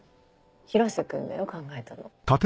広瀬君だよ考えたの。